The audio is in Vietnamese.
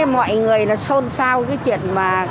mọi người là xôn xao cái chuyện mà